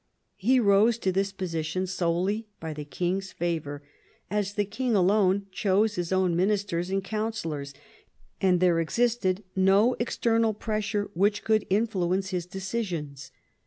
He rose to this position solely by the king's favour, as the king alone chose his own ministers and counsellors, and there existed no external pressure which could in fluence his decisions.